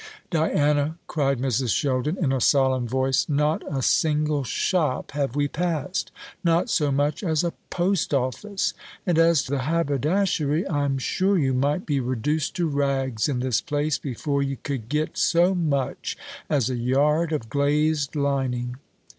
"Diana," cried Mrs. Sheldon, in a solemn voice, "not a single shop have we passed not so much as a post office! And as to haberdashery, I'm sure you might be reduced to rags in this place before you could get so much as a yard of glazed lining!"